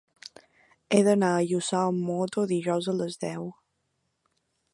He d'anar a Lluçà amb moto dijous a les deu.